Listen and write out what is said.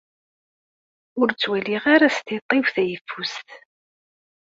Ur ttwaliɣ ara s tiṭ-iw tayeffust.